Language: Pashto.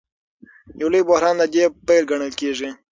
یو لوی بحران د دې پیل ګڼل کېږي.